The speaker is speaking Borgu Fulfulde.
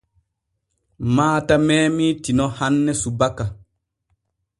Maata meemii Tino hanne subaka.